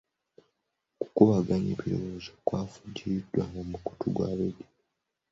Okukubaganya ebirowoozo kwavujjiriddwa omukutu gwa laadiyo.